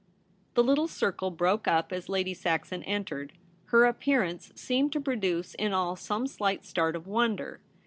The little circle broke up as Lady Saxon entered. Her appearance seemed to produce in all some slight start of wonder.